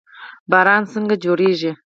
باران څنګه جوړیږي؟